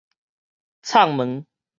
聳毛